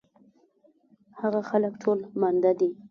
هغه خلک ټول ماندۀ دي